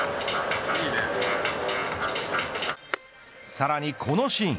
さらにこのシーン。